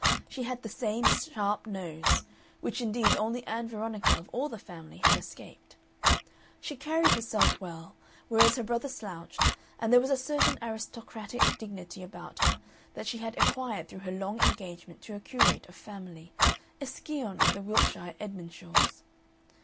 She had the same sharp nose which, indeed, only Ann Veronica, of all the family, had escaped. She carried herself well, whereas her brother slouched, and there was a certain aristocratic dignity about her that she had acquired through her long engagement to a curate of family, a scion of the Wiltshire Edmondshaws.